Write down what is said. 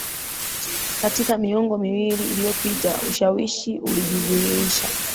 katika miongo miwili iloyopita ushawishi ulijidhihirisha